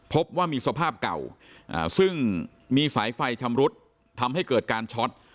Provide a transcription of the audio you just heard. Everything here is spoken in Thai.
พบว่ามีสภาพเก่าซึ่งมีสายไฟชำรุดทำให้เกิดการช็อต